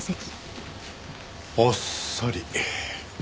あっさり。